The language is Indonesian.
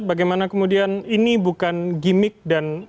bagaimana kemudian ini bukan gimmick dan